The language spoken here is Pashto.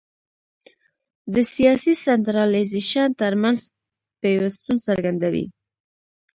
د سیاسي سنټرالیزېشن ترمنځ پیوستون څرګندوي.